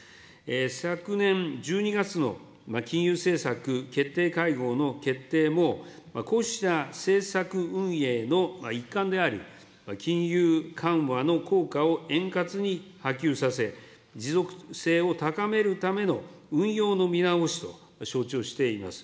昨年１２月の金融政策決定会合の決定も、こうした政策運営の一環であり、金融緩和の効果を円滑に波及させ、持続性を高めるための運用の見直しと承知をしております。